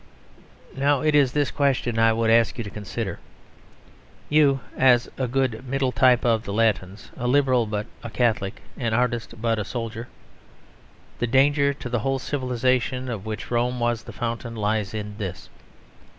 Now, it is this question I would ask you to consider; you, as a good middle type of the Latins, a Liberal but a Catholic, an artist but a soldier. The danger to the whole civilisation of which Rome was the fountain lies in this.